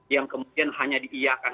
yang kemudian hanya diiyakan